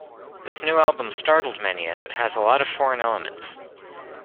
This new album startled many, as it has a lot of foreign elements.